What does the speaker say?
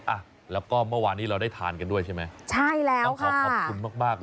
อ่ะแล้วก็เมื่อวานนี้เราได้ทานกันด้วยใช่ไหมใช่แล้วต้องขอขอบคุณมากมาก